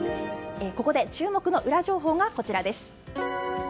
ここで注目のウラ情報がこちらです。